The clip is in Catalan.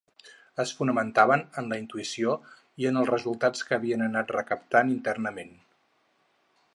Es fonamentaven en la intuïció i en els resultats que havien anat recaptant internament.